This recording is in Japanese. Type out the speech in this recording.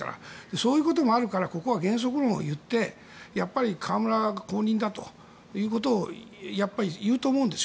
そういうこともあるからここは原則論を言ってやっぱり河村が公認だということをやっぱり言うと思うんです。